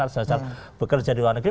atas dasar bekerja di luar negeri